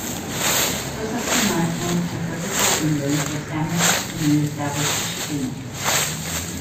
Joseph Cunard moved to Liverpool, England where Samuel helped him re-establish his shipping interests.